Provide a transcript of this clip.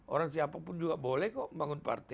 orang siapapun juga boleh kok membangun partai